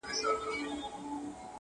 سترګي د محفل درته را واړوم،